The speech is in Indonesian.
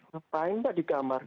ngapain mbak di kamar